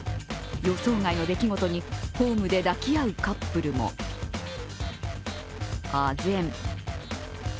予想外の出来事にホームで抱き合うカップルもあぜん。